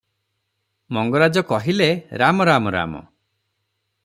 ମଙ୍ଗରାଜ କହିଲେ, "ରାମ ରାମ ରାମ ।